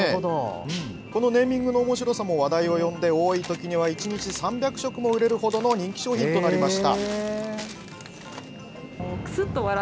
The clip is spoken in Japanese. ネーミングのおもしろさが話題を呼んで多い時には１日３００食も売れるほどの人気商品となりました。